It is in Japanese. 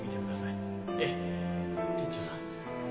ええ店長さん